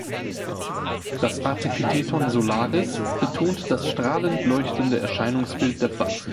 Das Artepitheton „solaris“ betont das strahlend-leuchtende Erscheinungsbild der Pflanzen.